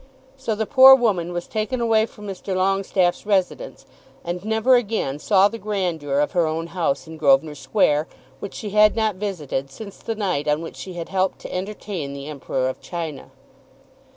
So the poor woman was taken away from Mr. Longestaffe's residence, and never again saw the grandeur of her own house in Grosvenor Square, which she had not visited since the night on which she had helped to entertain the Emperor of China.